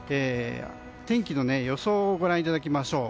天気の予想をご覧いただきましょう。